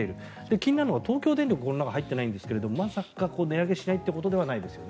気になるのは東京電力がこの中に入っていないんですがまさか値上げしないということではないですよね？